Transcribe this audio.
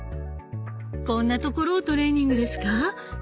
こんなところをトレーニングですか？